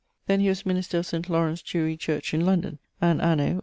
Then he was minister of Saint Laurence church in London; and anno